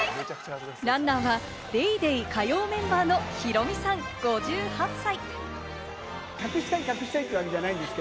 ランナーは『ＤａｙＤａｙ．』火曜メンバーのヒロミさん、５８歳。